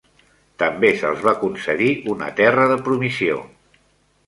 També se'ls va concedir una terra de promissió.